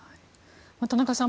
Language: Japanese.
田中さん